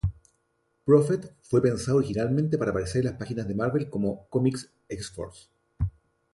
Prophet fue pensado originalmente para aparecer en las páginas de Marvel Comics 'X-Force.